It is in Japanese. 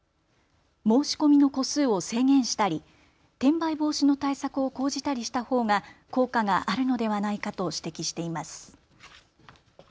申し込みの戸数を制限したり転売防止の対策を講じたりしたほうが効果があるのではないかと指摘しています。